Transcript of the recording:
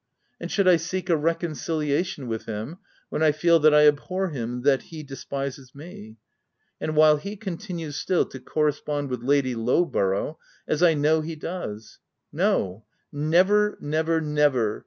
And should I seek a reconciliation with him, when I feel that I abhor him, and that he despises me ?— and while he continues still to correspond with Lady Lowborough, as I know he does ? No, never, never, never